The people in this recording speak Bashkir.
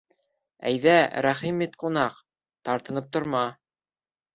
Әйҙә, рәхим ит, ҡунаҡ, тартынып торма!